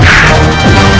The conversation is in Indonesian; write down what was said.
aku akan menang